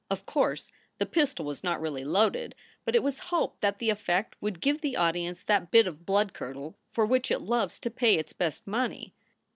Of course the pistol was not really loaded, but it was hoped that the effect would give the audience that bit of blood curdle for which it loves to pay its best money.